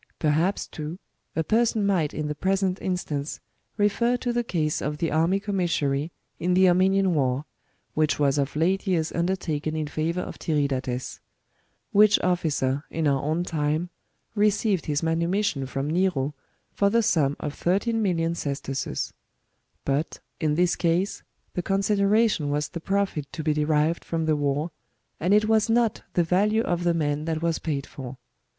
p. 175. — B. 186 PLINY's NATUEAL HISTORY. [Book VII. Ihe army coramissary'^^ in the Armenian war, which was of late years undertaken in favour of Tiridates ; which officer, in our own time, received his manumission from ]S^ero for the sum of thirteen million sesterces f^ but, in this case, the consideration was the profit to be derived from the war,^^ and it was not the value of the man that was paid for.